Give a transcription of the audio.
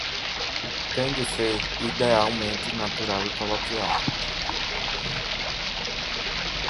Tem de ser idealmente natural e coloquial.